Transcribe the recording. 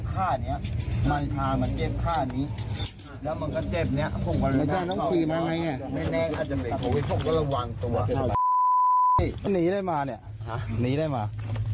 ที่หนีได้มาเนี่ยหนีได้มา